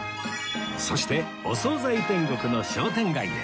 そしてお総菜天国の商店街へ